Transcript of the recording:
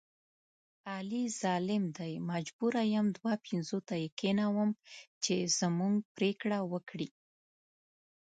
علي ظالم دی مجبوره یم دوه پنځوته یې کېنوم چې زموږ پرېکړه وکړي.